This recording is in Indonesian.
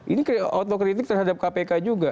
ini otokritik terhadap kpk juga